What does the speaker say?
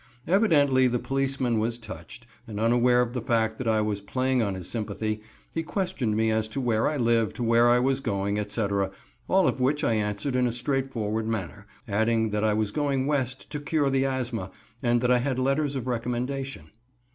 Evidently the policeman was touched, and unaware of the fact that I was playing on his sympathy, he questioned me as to where I lived, where I was going, etc., all of which I answered in a straightforward manner, adding that I was going West to cure the asthma, and that I had letters of recommendation.